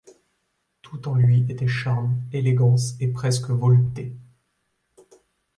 Tout en lui était charme, élégance, et presque volupté.